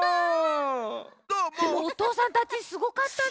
でもおとうさんたちすごかったね。